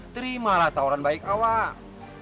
terimalah tawaran baik awak